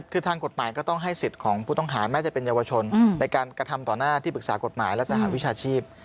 คือทางกฎหมายก็ต้องให้สิทธิ์ของผู้ต้องหาแม้จะเป็นเยาวชนในการกระทำต่อหน้าที่ปรึกษากฎหมายและสหวิชาชีพ